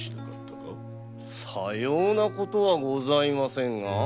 さようなことはございませんが。